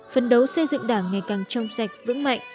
phấn đấu xây dựng đảng ngày càng trong sạch vững mạnh